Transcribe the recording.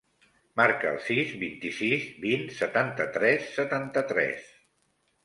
Marca el sis, vint-i-sis, vint, setanta-tres, setanta-tres.